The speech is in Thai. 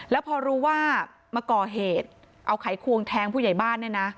แล้วพอรู้ว่ามาก่อเหตุเอาไขควงแทงผู้ใหญ่บ้านเนี่ยนะ